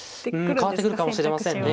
変わってくるかもしれませんね